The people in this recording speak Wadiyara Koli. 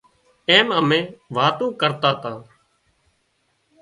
ايم ملينَ واتون ڪرتان تان